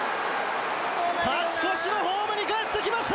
勝ち越しのホームにかえってきました！